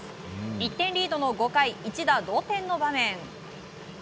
１点リードの５回一打同点の場面。